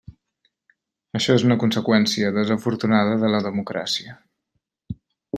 Això és una conseqüència desafortunada de la democràcia.